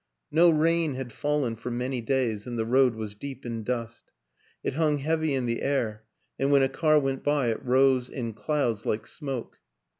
No rain had fallen for many days and the road was deep in dust; it hung heavy in the air and when a car went by it rose in clouds like smoke.